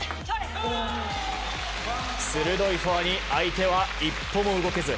鋭いフォアに相手は一歩も動けず。